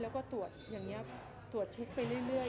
แล้วก็ตรวจเช็คไปเรื่อย